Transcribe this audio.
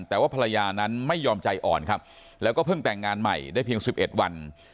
แต่ว่าภรรยานั้นไม่ยอมใจอ่อนครับแล้วก็เพิ่งแต่งงานใหม่ได้เพียง๑๑วัน